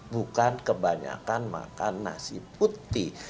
bukan kebanyakan makan nasi putih